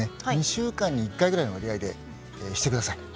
２週間に１回ぐらいの割合でして下さい。